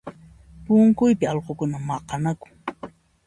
Punkuypi allqukuna maqanakun